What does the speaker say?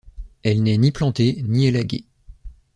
Elle n'est ni plantée ni élaguée.